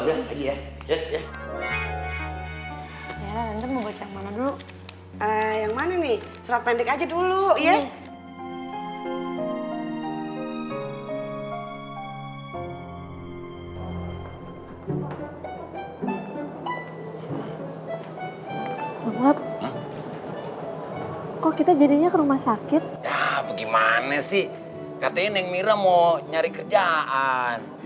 banget kok kita jadinya ke rumah sakit ya gimana sih katanya yang mira mau nyari kerjaan